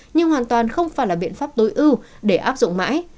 nhưng hoàn toàn không phải là biện pháp tối ưu để áp dụng mãi